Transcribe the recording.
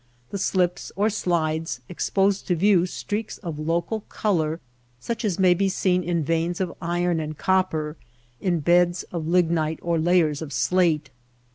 The slips or slides expose to view streaks of local color such as may be seen in veins of iron and copper, in beds of lignite or layers of slate.